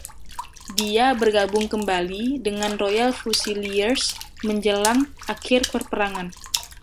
Dia bergabung kembali dengan Royal Fusiliers menjelang akhir peperangan.